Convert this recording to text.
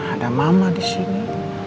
ada mama disini